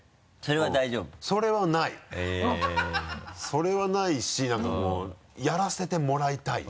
それはないし何かもうやらせてもらいたい。